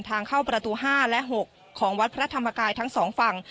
ทางเข้าประตู๕และ๖ของวัดพระธรรมกายทั้งสองฝั่ง